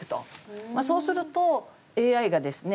そうすると、ＡＩがですね